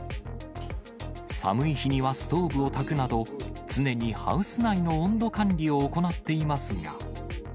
寒い日にはストーブをたくなど、常にハウス内の温度管理を行っていますが。